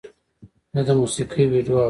زه د موسیقۍ ویډیو اورم.